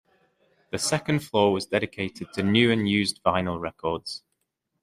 The second floor was dedicated to new and used vinyl records.